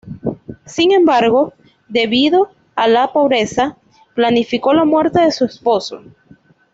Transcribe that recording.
Sin embargo, debido a la pobreza, planificó la muerte de su esposo.